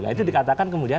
itu dikatakan kemudian